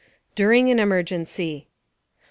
DURING AN EMERGENCY 1.